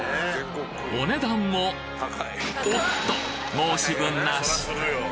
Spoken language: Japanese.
お値段も、おっと、申し分なし。